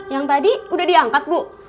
yang tadi udah diangkat bu